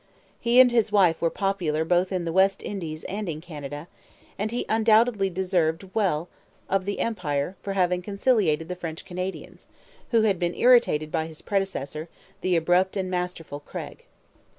He and his wife were popular both in the West Indies and in Canada; and he undoubtedly deserved well of the Empire for having conciliated the French Canadians, who had been irritated by his predecessor, the abrupt and masterful Craig.